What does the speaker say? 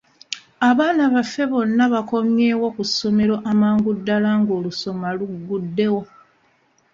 Abaana baffe bonna baakomyewo ku ssomero amangu ddala ng'olusoma lugguddewo.